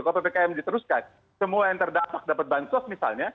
kalau ppkm diteruskan semua yang terdampak dapat bansos misalnya